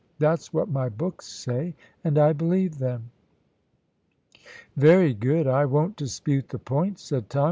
That's what my books say, and I believe them." "Very good; I won't dispute the point," said Tom.